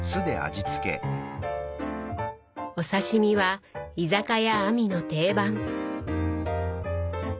お刺身は「居酒屋あみ」の定番。